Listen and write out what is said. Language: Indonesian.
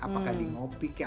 apakah di ngopi kek